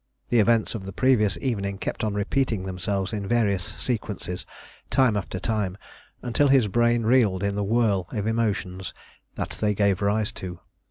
The events of the previous evening kept on repeating themselves in various sequences time after time, until his brain reeled in the whirl of emotions that they gave rise to.